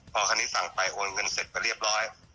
พอคันนี้สั่งไปโอนเงินเสร็จไปเรียบร้อย